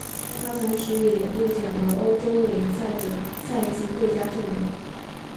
他同时也入选了欧洲联赛的赛季最佳阵容。